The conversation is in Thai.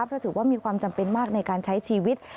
เพราะถือว่ามีความจำเป็นมากในการใช้ชีวิต